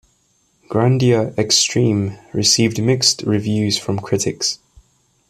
"Grandia Xtreme" received mixed reviews from critics.